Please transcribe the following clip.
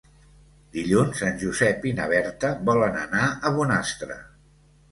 Dilluns en Josep i na Berta volen anar a Bonastre.